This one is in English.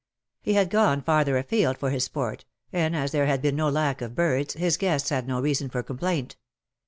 He had gone farther afield for his sporty and^ as there had been no lack of birds, his guests had no reason for complaint.